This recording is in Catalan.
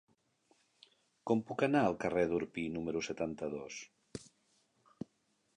Com puc anar al carrer d'Orpí número setanta-dos?